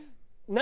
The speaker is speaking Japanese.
何？